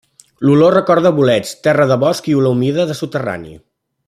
L'olor recorda bolets, terra de bosc i olor humida de soterrani.